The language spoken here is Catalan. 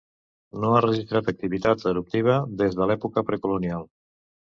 No ha registrat activitat eruptiva des de l'època precolonial.